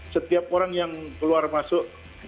setiap orang yang keluar masuk